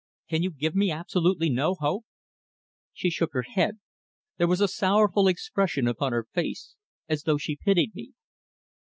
Can you give me absolutely no hope?" She shook her head. There was a sorrowful expression upon her face, as though she pitied me.